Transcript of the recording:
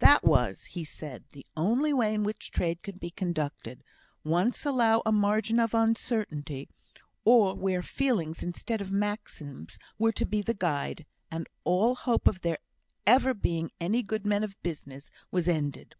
That was (he said) the only way in which trade could be conducted. Once allow a margin of uncertainty, or where feelings, instead of maxims, were to be the guide, and all hope of there ever being any good men of business was ended.